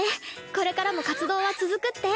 これからも活動は続くって。